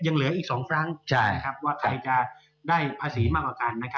ยังเหลืออีก๒ครั้งว่าใครจะได้ภาษีมากกว่ากัน